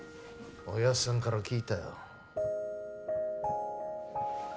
親父さんから聞いたよ。